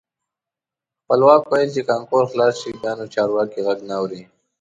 خپلواک ویل چې کانکور خلاص شي بیا نو چارواکي غږ نه اوري.